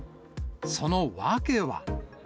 その訳は。